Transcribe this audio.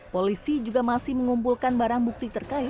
polisi juga masih mengumpulkan barang bukti terkait